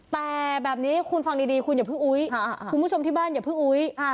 แต่แบบนี้คุณฟังดีคุณอย่าเพิ่งอุ๊ยคุณผู้ชมที่บ้านอย่าเพิ่งอุ๊ย